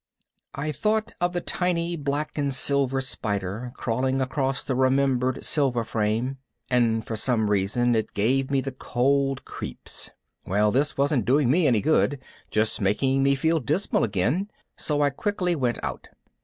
I thought of the tiny black and silver spider crawling across the remembered silver frame, and for some reason it gave me the cold creeps. Well, this wasn't doing me any good, just making me feel dismal again, so I quickly went out.